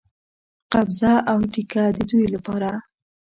قبضه او ټیکه د دوی لپاره.